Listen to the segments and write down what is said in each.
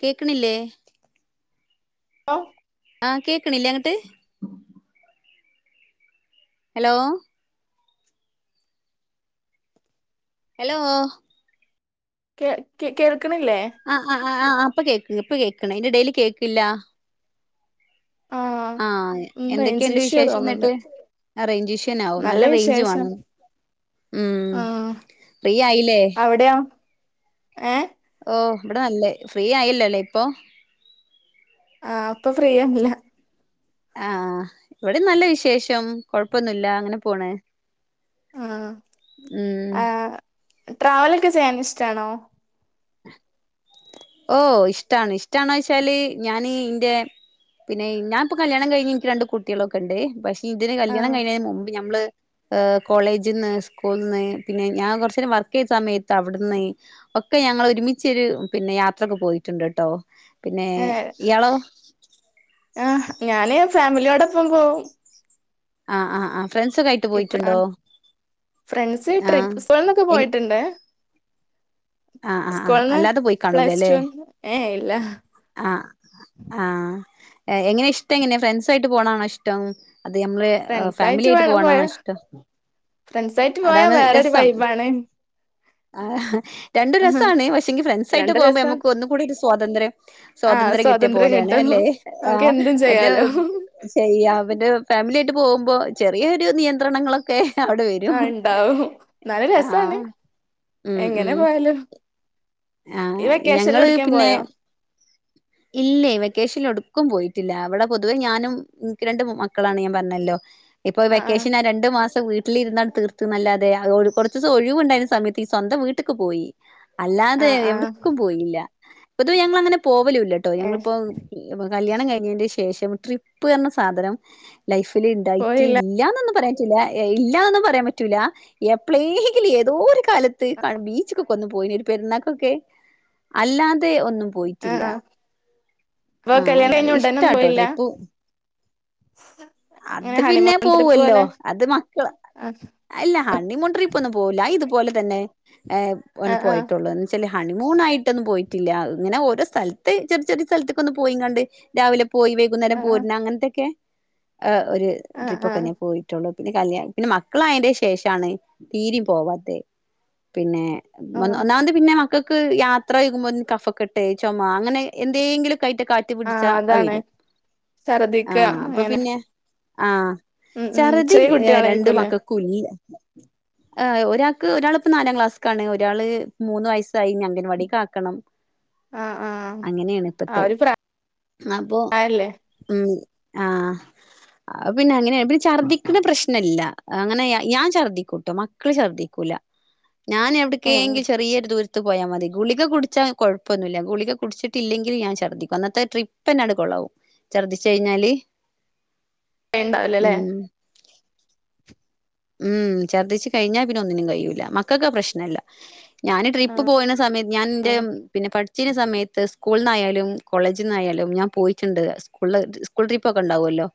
കേക്ക്ണില്ലേ ആ ആ കേക്ക്ണില്ലേ അങ്ങട്ട് ഹലോ ഹലോ കേ കേ ക്കണില്ലേ ആ ആ പ്പൊ കേക്ക് ഇപ്പൊ കേൾക്ക്ണ് അയ്‌ന്റെ എടേല് കേക്ക്ല്ല ആഹ് ആ ഉം റേഞ്ച് എന്തൊക്കേണ്ട് ഇഷ്യൂ തോന്നുന്നുണ്ട് വിശേഷന്നിട്ട് റേഞ്ച് ഇഷ്യുന്നെ ആവും നല്ല റേഞ്ച് വാണം മ്മ് ആഹ് ഫ്രീ ആയില്ലേ ഏ ഓ ഇവിടെ നല്ലേ ഫ്രീ ആയില്ലല്ലേ ഇപ്പൊ ആ ഇപ്പൊ ഫ്രീ ആല്ല ആഹ് ഇവിടെ നല്ല വിശേഷം കൊഴപ്പൊന്നുല്ല അങ്ങനെ പോണ് ആഹ് ഉം ആഹ് ട്രാവലൊക്കെ ചെയ്യാൻ ഇഷ്ടാണോ ഓ ഇഷ്ടാണ് ഇഷ്ടാണൊച്ചാല് ഞാന് ഇന്റെ പിന്നെ ഞാനിപ്പൊ കല്യാണം കഴിഞ്ഞ് എനിക്ക് രണ്ട് കുട്ടികളൊക്കെണ്ട് ശെ ഇതിന് കല്യാണം ആഹ് കഴിഞ്ഞതിന് മുമ്പ് ഞമ്മള് കോളേജിന്ന് സ്കൂളന്ന് പിന്നെ ഞാൻ കുറച്ചേരം വർക്ക് ചെയ്ത സമയത്ത് അവിടുന്ന് ഒക്കെ ഞങ്ങൾ ഒരുമിച്ചൊരു പിന്നെ യാ തൊക്കെ പോയിട്ടുണ്ട് ട്ടോ പിന്നെ ഏഹ് ഇയാളോ ആഹ് ഞാന് ഫാമിലിയോടൊപ്പം പോവും ആഹ് ആഹ് ആഹ് ഫ്രണ്ട്സൊക്കെ ആയിട്ട് ഇപ്പ പോയിട്ടുണ്ടോ ഫ്രണ്ട്സ് ആഹ് ട്രിപ്പ് സ്കൂള്ന്നൊക്കെ എ പോയിട്ടുണ്ട് ആഹ് ആഹ് ആ സ്കൂളിന്ന് അല്ലാതെ പോയികാണൂല പ്ലസ് അല്ലെ ടു ഏഹ് ഇല്ല ആഹ് ആഹ് എങ്ങനെ ഇഷ്ടെങ്ങനെ ഫ്രണ്ട്സായിട്ട് പോണാണോ ഇഷ്ടം അത് നമ്മള് ഫാമിലി ഫ്രണ്ട്സായിട്ട് ആയിട്ട് വേണം പോയ പോവാനാണോ ഇഷ്ടം ഫ്രണ്ട്സായിട്ട് പോയാ അതാണ് വേറൊരു രസം വൈബാണ് ആ രണ്ടും ആഹ് രസമാണ് പക്ഷെങ്ക ഫ്രണ്ട്സായിട്ട് രണ്ട് പോകുമ്പോ രസം നമുക്ക് ഒന്നും കൂടി ഒരു സ്വാതന്ത്ര്യം ആഹ് സ്വാതന്ത്ര്യം കിട്ടിയ പോലെയാണ് കിട്ടും അല്ലെ ആ നമുക്ക് എന്തും മറ്റേ ചെയ്യാലോ ശെയ്യ മറ്റ ഫാമിലിയായിട്ട് പോവു അപ്പൊ ചെറിയൊരു നിയന്ത്രണങ്ങളൊക്കെ അവി ആ ഇണ്ടാവും നല്ല രസാണ് ആഹ് ഉം എങ്ങനെ ഉം പോയാലും ഈ ആഹ് വെക്കേഷനിൽ ഞങ്ങള് എവിടേക്കേം പിന്നെ പോയോ ഇല്ലേ വെക്കേഷനി എടുക്കും പോയിട്ടില്ല അവിടെ പൊതുവേ ഞാനും എനിക്ക് രണ്ട് മക്കളാണ് ഞാൻ പറഞ്ഞല്ലൊ ഇപ്പൊ ആഹ് ആഹ് വെക്കേഷന രണ്ടുമാസം വീട്ട്- വീട്ടിലിരുന്നാണ് തീർത്തനല്ലാതെ കുറച്ച് ദിവസം ഒഴിവുണ്ടായുന്ന സമയത്ത് ഈ സ്വന്തം വീട്ടക്ക് പോയി അല്ലാതെ ആഹ് ആഹ് എവിടക്കും പോയില്ല പൊതുവെ ഞങ്ങളങ്ങനെ പോവലു ട്ടൊ ഏഹ് ഞങ്ങളിപ്പൊ കല്യാ ല്യാണം കഴിഞ്ഞശേഷം ട്രിപ്പ് എന്ന സാധനം ലൈഫിൽ ഉണ്ടായിറ്റി പോയില്ല ഇല്ലാനെനൊന്നും പറയാ ഇല്ലനൊന്നുംപറയാൻ പറ്റൂല എപ്പലേങ്കിലും ഏതോ ഒരു കാലത്ത് ബീച്ചക്ക്കൊന്നുപോയിനി ഒരു പെരുന്നാ- ക്കെ അല്ലാതെ ഒന്നും പോയിട്ടില്ല പ്പൊ ആഹ് കല്യാണം അല്ലാതെ കഴിഞ്ഞ ഉടനൊന്നും ഇഷ്ടാട്ടോ പോയില്ല ട്രിപ്പ് അങ്ങനെ അത് പിന്നെ ഹണിമൂൺ ട്രിപ്പ് പോവൂല്ലോ. പോലെ അത് മക്കള് ആഹ് അല്ല ആഹ് ഹണി മോൺ ട്രിപ്പൊന്നും പോവുല്ല ഇതുപോലെ ന്നെ ങ് ഒൻ ആഹ് ആഹ് പോയിട്ടൊള്ളൂ എന്ന് വെച്ചാല് ഹണിമൂണായിട്ടൊന്നും പോയിട്ടില്ല. ഇങ്ങനെ ഓരോ സ്ഥലത്ത് ചെറിയ ചെറിയ സ്ഥലത്തൊക്കൊയൊന്ന് പോയിം കണ്ട് രാവിലെ പോയി വൈകുന്നേരം ആഹ് പോരുന്ന അങ്ങനത്തൊക്കെ ആ ഒരു ആഹ് ട്രിപ്പ് ആഹ് ഒക്കെയിനി പോയിട്ടൊള്ളൂ പിന്നെ കല്യാ പിന്നെ മക്കളായന്റെ ശേഷാണ് തീരെം പോവാത്തെ പിന്നെ ആഹ് ഒന്നാ തീ പിന്നെ മ ക്ക് യാത്ര ചെയ്യുക്കുമ്പോ കഫക്കെട്ട്, ചുമ അങ്ങനെ എന്തേങ്കിലും? കൈട്ട് കാറ്റ് പിടിച്ചാ ആവി അതാണ് വെരും ഛർദിക്ക ആഹ് അപ്പൊ അങ്ങനെ പിന്നെ ആഹ് ഉം ഉം ഛറുതി ചെറിയ രണ്ട് കുട്ടികളായിരിക്കുംല്ലേ മക്കക്കുയില്ലേ ഒരാക്ക് ഒരാളിപ്പോ നാലാം ക്ലാസേക്കാണ്. ഒരാള് മൂന്ന് വയസ്സായി ഇനി അംഗൻവാടിയേകാക്കണം ആഹ് ആഹ് അങ്ങനെയാണ് ആ ഇപ്പത്തെ ഒരു അപ്പൊ പ്രായല്ലേ ഉ ആഹ് ആ പിന്നെ അങ്ങനെയ പിന്നെ ഛർദ്ദിക്കണ പ്രശ്നല്ല അങ്ങനെ ഞാൻ ഛർദ്ദിക്കൂട്ടോ മക്കള് ഛർദ്ദിക്കൂല ഞാൻ ഏഹ് എവിടെക്കെങ്കിൽ ചെറിയൊരു ദൂര ടുത്ത് പോയാൽ മതി ഗുളിക കുടിച്ചാ കൊഴപ്പൊന്നുമില്ല ഗുളിക കുടിച്ചിട്ടില്ലെങ്കിൽ ഞാൻ ഛർദ്ദിക്കും അന്നത്തെ ട്രിപ്പ് എന്നാണ്ട് കൊള്ളാകും ഛർദ്ദിച്ച കഴിഞ്ഞാല് ഉണ്ടാവല്ലല്ലേ? ഉം ഉം ഛർദ്ദിച്ചു കഴിഞ്ഞാ പിന്നെ ഒന്നിനും കഴിയൂല്ല മക്കൊക്കെ ആ പ്രശ്നമില്ല ഞാൻ ട്രിപ്പ് ആഹ് പോയനേ സമയം ഞാനെന്റെ ആഹ് പിന്നെ പഠിച്ച് കഴിഞ്ഞ സ സമയത്ത് സ്കൂളിൽ നിന്നായാലും കോളേജിൽ നിന്നായാലും ഞാൻ പോയിട്ടൊണ്ട് സ്കൂളില്സ്കൂൾ ട്രിപ്പ് ഒക്കെയൊ ണ്ടാവല്ലോ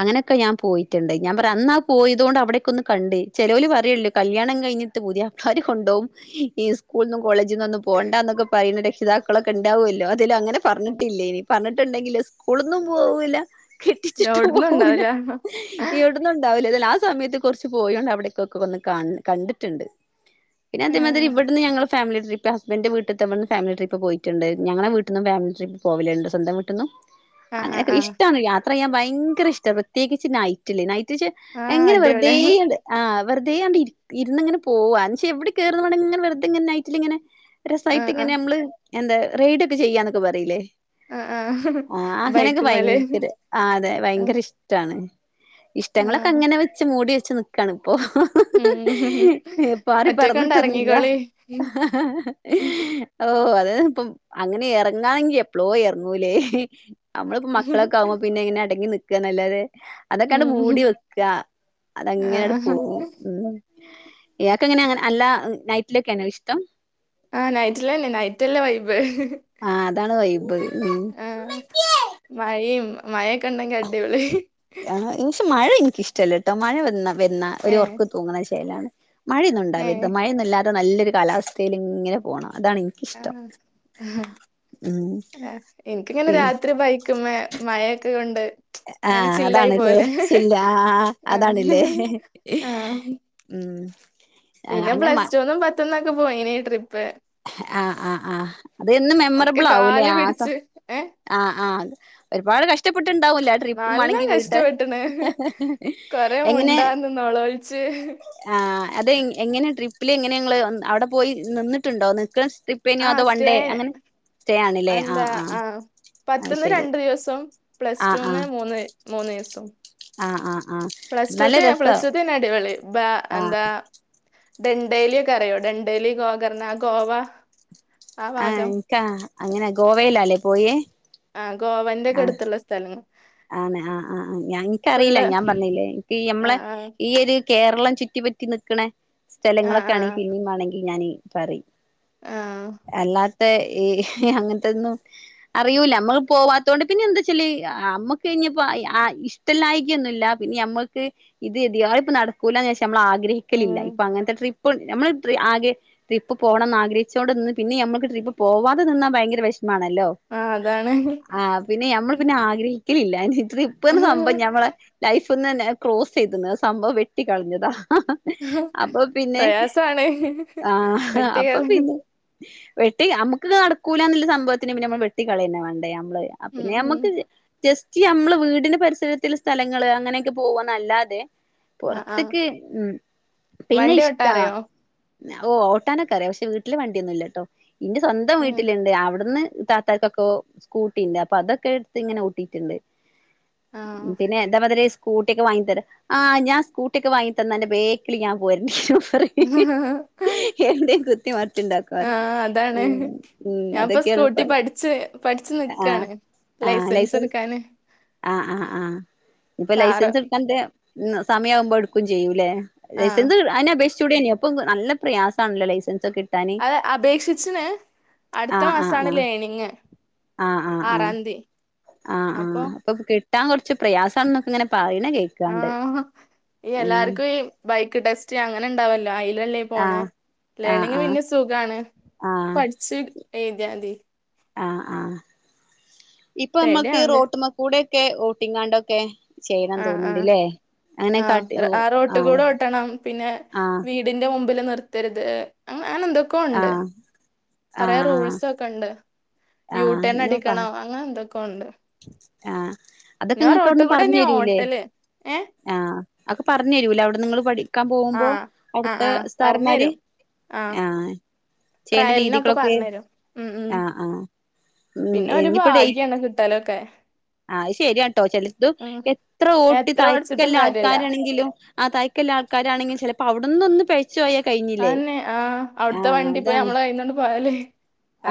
അങ്ങനൊക്കെ ഞാൻ പോയിട്ടൊണ്ട് ഞാൻ പറയ് അന്നാ പോയതു കൊണ്ട് അവിടൊക്കെയൊന്ന് കണ്ടേ ചെലവല് പറയു ള്ള് കല്യാണം കഴിഞ്ഞിട്ട് പുതിയാപ്പ്ളന്മാര് കൊണ്ട് പോവും ഈ സ്‌കൂളിന്നും കോളേജിന്നൊന്നും പോണ്ടാന്നൊക്കെപ്പറയുന്ന രക്ഷിതാക്കളൊക്കെയൊണ്ടാവുല്ലോ? അതിലങ്ങനെപ്പറഞ്ഞിട്ടില്ലേപറഞ്ഞിട്ടൊണ്ടെങ്കിലേ സ്കൂളൂന്നും പോവൂല്ല ലവിടെന്നും ഉണ്ടാവില്ലാന്നോ ങേ എവിടന്നും ഉണ്ടാവൂല ഏതായാലും ആ സമയത്ത് കൊറച്ച് പോയോണ്ട് അവിടേക്കൊക്കെ ഒന്ന് ക കണ്ടിട്ടൊണ്ട് പിന്നെ അതേമാതിരി ആഹ് ഇവിടുന്ന് ഞങ്ങള് ഫാമിലി ട്രിപ്പ് ഹസ്ബൻഡിന്റെ വീട്ടത്തെ നമ്മള് ഫാമിലി ട്രിപ്പ് പോയിട്ടൊണ്ട്. ഞങ്ങടെ വീട്ടിന്ന് ഫാമിലി ട്രിപ്പ് പോവില്ലെന്റെ സ്വന്തം വീട്ടിന്നും ആഹ് ആഹ് അങ്ങനെക്കെ ആഹ് ഇഷ്ടാണ് യാ റെയാൻ ഭയങ്കര ഇഷ്ടമാ. പ്രത്യേകിച്ച് നൈറ്റില്. നൈറ്റ്ച്ച ആഹ് എങ്ങനെ അടിപൊളിയാ വെറുതെയണ്ട് ആ വെറുതെയണ്ട് ഇര് ഇര്ന്ന്ങ്ങനെ പോ ഓ അൻഷയെവിടെ കേറുന്നോവണയിങ്ങനെ വെറുതെയിങ്ങനെ നൈറ്റിലിങ്ങനെ രസമായിട്ട് ആഹ് ഇങ്ങനെ ആഹ് നമ്മള് എന്താ റെയ്ഡൊക്കെ ചെയ്യാന്നൊക്കെ പറീല്ലേ? ആഹ് ആഹ് ആ അങ്ങനെയൊക്കെ ബൈക്കുമ്മേല് ഭയങ്കര ആ അതെ ആഹ് ഭയങ്കര ഇഷ്ടാണ്. ഇഷ്ടങ്ങള് ആഹ് അങ്ങനെ വെച്ച് മൂടി വെ ച്ച് നിക്കണം. ഒ ഹ് ഹ് ഉം ഹ് ഹ് ഹി ഹെ പാറി ഒറ്റക്കണ്ട് പറന്നിട്ടൊന്നുല്ല എറങ്ങിക്കോളി ഹ് ഹ് ഹ് ഓ അതെ ഇപ്പം അങ്ങനെ എറങ്ങാണെങ്കി എപ്പ ളോ എറങ്ങൂലേ ഹ് നമ്മളിപ്പോ മക്കളക്കെ ആകുമ്പോ പിന്നെ എങ്ങനെ അടങ്ങി നി ഒക്ക നല്ലതെ അതൊക്കെ അങ്ങ് ഉം മൂടി വെക്- ഇല്ല അത് അങ്ങനെ അങ്ങ് ആഹ് പോകും. ഇയാൾക്ക് എങ്ങനെ അങ്ങന അല്ല നൈറ്റിലൊക്കെയാണോ ഇഷ്ടം ആ നൈറ്റിലന്നെ നൈറ്റല്ലേ വൈബ് ആഹ് അതാണ് വൈബ് ബ് ആ മഴയും മഴൊക്കെ ഉണ്ടെങ്കിൽ അടിപൊളി ആ ഈ മഴ എനിക്ക് ഇഷ്ടമില്ല ട്ടോ മഴ വന്നാ വന്ന ഒരു ഏഹ് ഒർക്ക് തൂങ്ങണ ശേലാണ് മഴയൊന്നുണ്ടാവരുത് ഏഹ് മഴയൊന്നും ഇല്ലാതെ നല്ല വെയ് ഈ കാലാവസ്ഥയിൽ ഇങ്ങനെ പോകണം ആ ഉം എനിക്കിങ്ങനെ പി രാത്രി ബൈക്കിമ്മേ മഴെക്കെ കൊണ്ട് ആ അങ്ങനെ ചില്ലായി അതാണ്ല്ലേ പോവല്ലേ ചില്ല ആഹ് അതാണ്ല്ലേ ആഹ് ആഹ് പിന്നെ പ്ലസ്ടുന്നും പത്ത്ന്ന് ക്ക പോയിനി ട്രി ആ ആ ആ അതെന്നും ഒക്കെ മെമ്മറബിൾ ആവൂല്ലേ കാല് ആ സമ പിടിച്ച് ഏ ആ ആ ഒരുപാട് കഷ്ടപ്പെട്ട് ക്കെ ഇണ്ടാവ് ല്ലെ ആ ട്രിപ്പ് നല്ല മാണെങ്കിൽ വീട്ടാര് കഷ്ടപ്പെട്ടണ് കൊറേ എങ്ങനെ മുണ്ടാന്ന് നൊളോളിച്ച് ആ അതെങ്ങനെ ട്രിപ്പിലെങ്ങനെ ഇങ്ങള്അവിടെ പോയി നിന്നു ട്ട്ണ്ടോ നിക്ക് ഇപ്പ ഇനി ആ അതോ വൺ സ്റ്റേ ഡേ അങ്ങനെ സ്റ്റേ ആണ്ല്ലേ ആ ആ പത്ത്ന്ന് രണ്ട് ദിവസം പ്ലസ്ടൂന്ന് മൂന്ന് മൂന്നീസം ആ ആ പ്ലസ് ടു ത്തെ പ്ലസ് ടു ത്തേണ് അടിപൊളി ബ ആഹ് എന്താ ഡണ്ടേലി ഒക്കെ അറിയോ ഡണ്ടേലി ഗോകർണ ഗോവ ആ എനിക്കാ അങ്ങനെ ഗോവയിലാല്ലേ. പോയേ. ആ ഗോവന്റെക്കെ അടുത്തുള്ള സ്ഥല ആനെ ആ ആ ഞക്കറിയില്ല ഫുള്ള് ഞാൻ പറഞ്ഞല്ലേ ആ ഇപ്പയിമ്മളെ ആ ഈയൊരി കേരളൻ ചുറ്റി പറ്റി നിക്കണേ ആ സ്ഥലങ്ങളൊക്കെ ആ ആണെങ്കിൽ പിന്നെ മാണെങ്കിൽ ഞാനെ കറി ആ ആ എല്ലാ തെ അങ്ങനത്തൊന്നും അറിയൂല്ല നമ്മള് പോവാത്തോണ്ട് പിന്നെ എന്താച്ചാല് നമ്മക്ക് ക്ക് കഴിഞ്ഞപ്പം ആയി ഇഷ്ടല്ലായികൊന്നുല്ല പിന്നെ നമ്മക്ക് ഇത് [unintelligible] നടക്കൂല നമ്മള് ആഗ്രഹിക്കലില്ല ഉം ഇപ്പ അങ്ങനത്തെ ഇപ്പം നമ്മള് ആകെ ട്രിപ്പ് പോണമന്ന് ആഗ്രഹിച്ചോണ്ട് നിന്ന് പിന്നെ നമ്മക്ക് ട്രിപ്പ് പോവാതെ നിന്നാ ഭയങ്കര വെഷമ മാണല്ലോ ആ അതാണ് ആ പിന്നെ നമ്മള് പിന്നെ ആഗ്രഹി ഇല്ലില്ലാ ഇനി ഇപ്പെ ഒരു സംഭവം ഞാൻ പറയാം ലൈഫ് ഇപ്പം തന്നെ ക്രോസ് ചെയ്തന്ന് സംഭവം വെട്ടി കളഞ്ഞതാ പ്രയാസവാണ് ആഹ് വെട്ടി അപ്പൊ കളഞ്ഞ് പിന്നെ വെട്ടി നമുക്ക് നടക്കൂലന്നുള്ള സംഭവത്തിന് പിന്നെ നമ്മള് വെട്ടി കളയ ന്നേ വാണ്ടേ ഉം പിന്നെ ഉം നമുക്ക് ജസ്റ്റ് നമ്മള് വീടിന്റെ പരിസരത്തില സ്ഥലങ്ങള് അങ്ങനെയൊക്കെ പോവന്നല്ലാതെ ആ ആ പുറത്തക്ക് ഉം പിന്നെ വണ്ടി ഇഷ്ടാ ഓട്ടാറിയോ ഓട്ടാനൊക്കെ അറിയ പക്ഷേ വീട്ടില് വണ്ടിയൊന്നും ഇല്ലട്ടോ ഇന്റെ സ്വന്തം ഉം വീട്ടിലുണ്ട് അവിടുന്ന് താത്തർക്കൊക്കെ സ്കൂട്ടിണ്ട് അപ്പൊ അതൊക്കെ എടുത്ത് ഇങ്ങനെ ട്ടീ ട്ടുണ്ട് ആ പിന്നെ [unintelligible] സ്കൂട്ടിക്കെ വാങ്ങി തരാ ആഹ ഞാൻ സ്‌കൂട്ടിക്കെ വാങ്ങി തന്നന്റെ ബേക്കിൽ ഞാൻ പോരേണ്ടിരും [inaudible] [unintelligible] ആ പറയും അതാണ് ഉം ഉം ഞാനിപ്പ അതൊക്കെയാണ് ഇപ്പ സ്കൂട്ടി പഠിച്ചു പഠിച്ചു ആഹ് നിക്കാണ് ലൈസൻസ് എടുക്ക ആഹ് ആഹ് ആഹ് ഇപ്പൊ കാറ് ലൈസൻസ് എടുക്കാൻട് ഉ സമയയാവുമ്പോ എടുക്കും ചെയ്യൂല്ലേ ആ ലൈസെൻസ് അയ്ൻ അബേക്ഷി ട അപ്പൊ നല്ല പ്രയാസണല്ലോ ലൈസൻസ ഒക്കെ കിട്ടാന് അത് അപേക്ഷിച്ചിന് അടുത്ത ആഹ് മാസാണ് ആഹ് ലേണിങ് ആഹ് ആഹ് ആഹ് ആഹ് ആറാം തീയതി ആഹ് ആ അപ്പൊ കിട്ടാൻ കുറച്ച് പ്രയാസണന്നൊക്കെ ഇങ്ങനെ പറ ആഹ് ഈ എല്ലാർക്കും ഈ ബൈക്ക് ബൈക്ക് ടെസ്റ്റ് അങ്ങനെണ്ടാവല്ലോ ല്ലേ പോണെ ആഹ് ആഹ് ലേണിങ്ങ് ആഹ് പിന്നെ സുഖാണ് ആഹ് പഠിച്ചു എഴുതിയാതി ആഹ് ആഹ് പേട്യവണണ്ട് ക്കെ ഓട്ടിങ്ങാണ്ടൊക്കെ ചെയ്യണം ആ ആ തോന്നുന്നുണ്ട്ല്ലേ അങ്ങനെ ആ കാട്ടി ഓ ആ റോട്ട് ആഹ് കൂടെ ഓട്ടണം പിന്നെ ആഹ് വീടിന്റെ മുമ്പ് മ്പില് നിർത്തരുത് അങ്ങെ അങ്ങനെ എന്തൊക്കെയ ഉണ്ട് ആഹ് കൊറെ ആഹ് ആഹ് റൂൾസ് ഒക്കെ ഉണ്ട് ആഹ് യൂടെൻ നിങ്ങൾ പറ അടിക്കണോ അങ്ങനെ എന്തൊക്ക കൊണ്ട് ആഹ് അതൊക്കെ നിങ്ങക്ക് അവിടന്ന് പറഞ്ഞു തന്നെയാ തരൂല്ലേ ഓട്ടല് ഏ ആഹ് അക്കെ പറഞ്ഞു തരൂല അവിടെ നിങ്ങള്ൾ പഠി ആഹ് ആഹ് ആഹ് പറഞ്ഞഞ് തരും ആഹ് ചെയ്യേണ്ട ട്രയലിനൊക്കെ രീതികളൊക്കെ പറഞ്ഞ് തരും ഉം ഉ ആഹ് ആഹ് ഉം പിന്നെ ഒരു ഇനിയിപ്പോ ഡേ ഭാഗ്യാണ് കിട്ടലൊക്കെ ആഹ് ശരിയ കേട്ടോ ചിലത് ഉം എത്ര ഓട്ടി എത്ര പഠിച്ചിട്ടും തയക്കല്ല കാര്യല്ല ആൾക്കാരാണെങ്കിലും ആ തയക്കല്ല ആൾക്കാരാണെങ്കിലും ചില അവിടന്ന് ഒന്ന് പിഴച്ച- ആതെന്നെ ആഹ് അവിടുത്തെ വണ്ടി ഇപ്പ നമ്മ കയ്യിലണ്ട് പോയാലേ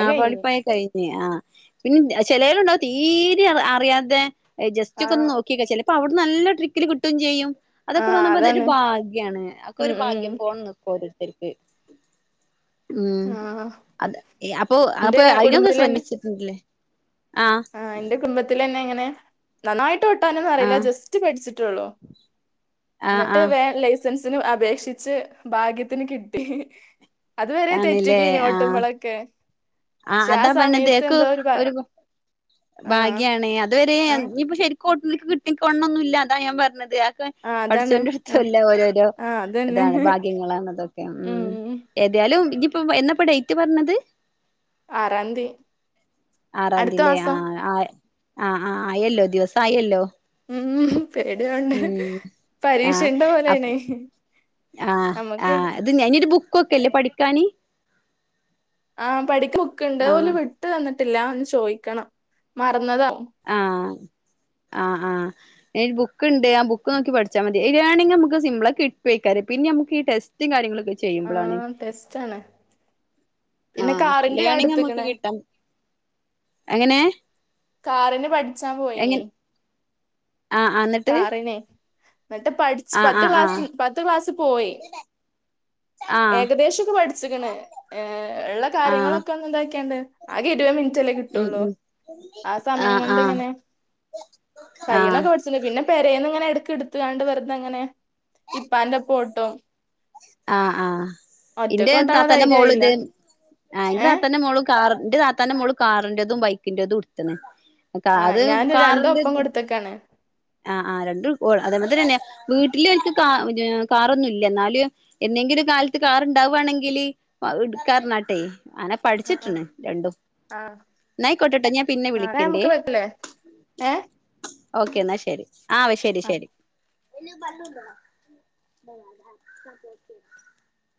ആഹ് പാളിപ്പോയ കഴിഞ്ഞു ആഹ് പിന്നെ ചിലരുയുണ്ടാവു- തീരെ അറിയാതെ- ജസ്റ്റ് ഒക്കെ ഒന്ന് ആഹ് നോക്കിക്കോ ചിലപ്പോ അവിടെ- നല്ല ട്രിക്കില് കിട്ടുകയും ചെയ്യും അതൊക്കെ ആഹ് വന്നപ്പോൾ അതൊരു അതാണ് ഭാഗ്യമാണ്. ഒക്കെ ഉം ഒരു ഉം ഭാഗ്യം പോകണം നോക്കും ഓരോരുത്തും ഏ ഉം ആഹ് അത് അപ്പൊ എന്റെ അയിതിനൊക്കെ ശ്രമിച്ചിടട്ടില്ലേ ആ് എന്റെ കുടുംബത്തിലെ തന്നെ- [unintelligible] ഏ നന്നായി [inaudible] ട്ടാനന്ന [inaudible] ആ അറിയില്ല ജസ്റ്റ് പഠിച്ചിട്ടു - പെട്ടളോ [unintelligible] ആ ആ എന്നിട്ട് വേറേ ലൈസൻസ്- [unintelligible] അപേക്ഷിച്ചിട്ട് ഭാഗ്യത്തിന് കിട്ടി. അത് വരെ തെറ്റക്ക് [inaudible] നോട്ടുമ്പോളൊക്കെ ആഹ അതാ പറഞ്ഞത് എനിക്ക് ഒരു- ആഹ് ഭാഗ്യാണ് അ ആഹ് ഇപ്പൊ [unintelligible] ശരിക്കുംട്ട എനിക്ക് കിട്ടിക്കോണം എന്നില്ല അതാ ഞാൻ പറഞ്ഞത്. ക്കൻ ആഹ് [inaudible] അതാണ് പടച്ചോന്റയ് ഇടത്തും ആഹ് ഇല്ലേ ഓരോരോ ആഹ് അതന്നെ ഭാഗ്യങ്ങളാണ് ഉം ഏതാലും ഇപ്പം എന്ന ഡേറ്റ് പറഞ്ഞത്? ആറാം തീയതി അടുത്ത മാസം ആഹ് ആഹ് അയല്ലോ ദിവസം ആയല്ലോ. ഉം പേടിയുണ്ട് ഉം പരീക്ഷ ഉള്ള പോലെയാണ്. ആഹ് ആ അത് ഞാനൊരു ബുക്ക്- [unintelligible] ബുക്ക്‌ ഒക്കെ ഇല്ലേ പഠിക്കാന് ആഹ പടി - ബുക്കുണ്ട് ആ അതുപോല വിട്ട് - ഇല്ല ന്ന്ചോദിക്കണം മറന്നതാ ആ ആ ആ [unintelligible] സിംപിളാ കിട്ടുക്കരെ പിന്നെ നമുക്കീ ടെസ്റ്റും കാര്യങ്ങളും ചെയ്യുമ്പോളാണ് ആഹ് ടെസ്റ്റ് ആണ് ആ പിന്നെ കാറിന്റെ ലേണിങ് നമുക്ക് അടുത്ത്ക്ക്ണ് കിട്ടാം എങ്ങനെ കാറിന് പഠിച്ചാ എങ്ങ പോയിന് ആ ആ എന്നിട്ട് എന്നിട്ട് പഠിച്ച് ആ പത്ത് ആ ആ ക്ലാസ് പത്ത് ക്ലാസ്സ് പോയി ആ ഏകദേശം ഒക്കെ പഠിച്ചിക്കണ് ഏ ഉള്ള ആ കാര്യങ്ങളൊക്കെ ഒന്ന് എന്താക്കിയാണ്ട് ആകെ ഇടി [unintelligible] ചാല ഉം കിട്ടുള്ളൂ ഉം ആ സമയം കൊണ്ട് ഇങ്ങനെ ആ കയിണൊക്കെ പഠി പിന്നെ പെരേന്നിങ്ങന ക്കെ എടുത്ത് കണ്ട് വെറതെങ്ങനെ ഇപ്പാന്റെ പോട്ടോ ആ ആ ഇന്റെ താത്തന്റെ മോള് ധൈര്യായില്ല ഇത് ആ ഇന്റെ ഏഹ് താത്തന്റെ മോളും കാർ എന്റെ താത്താൻ്റെ മോളും കാറിൻ്റെതും ബൈക്കിൻ്റെതും എടുത്തണ് ആ ഞാൻ രണ്ടും ഒപ്പം കൊടുത്ത്ക്കാണ് ആ ആ രണ്ടും അതേമാതിരിതന്നെ വീട്ടില് എനിക്ക് കാ കറോന്നില്യ എന്നാല് എന്നെങ്കില് കാലത്ത് കാറുണ്ടാവുവാണെങ്കില് [unintelligible] [unintelligible] [inaudible] ആനെ ആഹ് പഠിച്ചിട്ടണ് രണ്ടും ആഹ് നായിക്കോട്ടട്ടെ ഞാൻ പിന്നെ ആഹ് ന്നാ വിളിക്കണ് ണ്ടേ ഞമ്മക്ക് വെക്കല്ലേ ഏഹ് ഓക്കെ എന്നാ ശെ ആവ് ശരി ആ ശരി [unintelligible]